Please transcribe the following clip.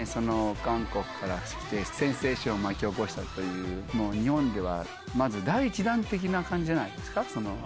韓国から来て、センセーションを巻き起こしたという、日本ではまず第１弾的な感じじゃないですか。